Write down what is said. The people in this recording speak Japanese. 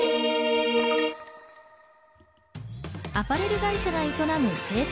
アパレル会社が営む青果